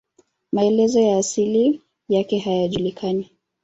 Maelezo ya asili yake hayajulikani.